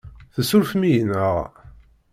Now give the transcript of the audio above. Tessurfem-iyi, naɣ?